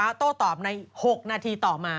โต้ตอบใน๖นาทีต่อมา